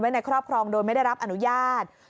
ในครอบครองโดยไม่ได้รับอนุญาต